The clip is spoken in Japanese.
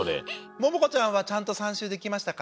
ももかちゃんはちゃんと３しゅうできましたか？